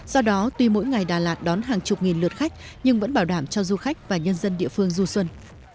do đó tuy mỗi ngày đà lạt đón hàng chục nghìn lượt khách nhưng vẫn bảo đảm cho du khách và nhân dân địa phương du xuân